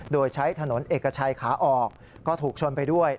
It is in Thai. โดยใช้ถนนเอกชัยขาออกก็ถูกชนไปด้วย